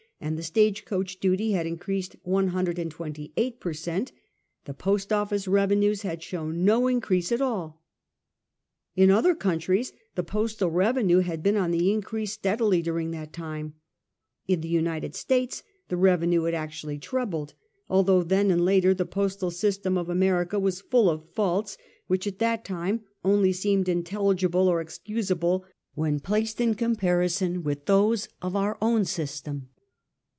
and the stage coach duty had increased one hundred and twenty eight per cent., the post office revenues had shown no increase at all. In other countries the postal revenue had been on the increase steadily during that time ; in the United States the revenue had actually trebled, although then and later the postal system of Ame rica was full of faults which at that day only seemed intelligible or excusable when placed in comparison with those of our own system.